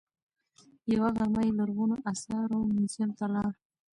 یوه غرمه یې لرغونو اثارو موزیم ته لاړ.